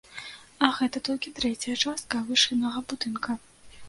А гэта толькі трэцяя частка вышыннага будынка.